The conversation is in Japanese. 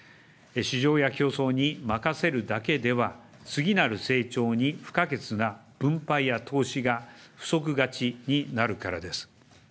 市場や競争に任せるだけでは、次なる成長に不可欠な分配や投資が不足がちになるからです。